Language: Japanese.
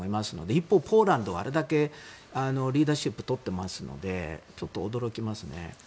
一方、ポーランドはあれだけリーダーシップを取っていますのでちょっと驚きますね。